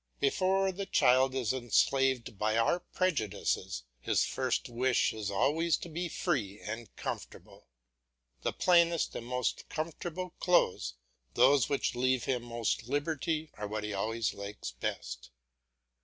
Before the child is enslaved by our prejudices his first wish is always to be free and comfortable. The plainest and most comfortable clothes, those which leave him most liberty, are what he always likes best.